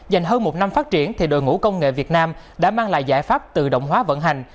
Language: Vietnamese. dành hơn một năm phát triển thì đội ngũ công nghệ việt nam đã mang lại giải pháp tự động hóa vận hành